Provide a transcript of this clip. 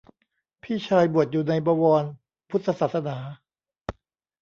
พี่ชายบวชอยู่ในบวรพุทธศาสนา